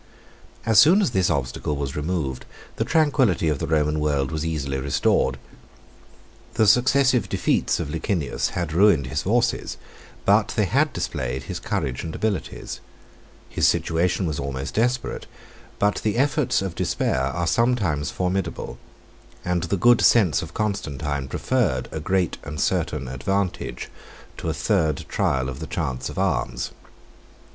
As soon as this obstacle was removed, the tranquillity of the Roman world was easily restored. The successive defeats of Licinius had ruined his forces, but they had displayed his courage and abilities. His situation was almost desperate, but the efforts of despair are sometimes formidable, and the good sense of Constantine preferred a great and certain advantage to a third trial of the chance of arms.